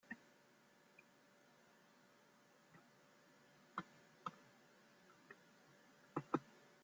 Entrenador: Roberto Íñiguez